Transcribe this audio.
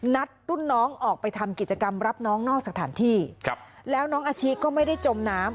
นัดรุ่นน้องออกไปทำกิจกรรมรับน้องนอกสถานที่ครับแล้วน้องอาชิก็ไม่ได้จมน้ำ